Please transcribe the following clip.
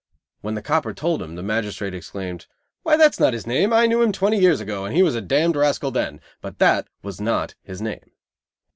When the copper told him, the magistrate exclaimed: "Why, that is not his name. I knew him twenty years ago, and he was a d rascal then; but that was not his name."